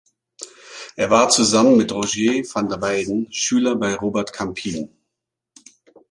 Er war zusammen mit Rogier van der Weyden Schüler bei Robert Campin.